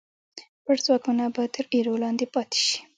پټ ځواکونه به تر ایرو لاندې پاتې شي.